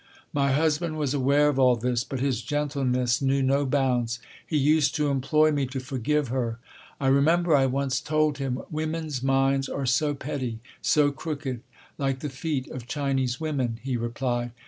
My husband was aware of all this, but his gentleness knew no bounds. He used to implore me to forgive her. I remember I once told him: "Women's minds are so petty, so crooked!" "Like the feet of Chinese women," he replied.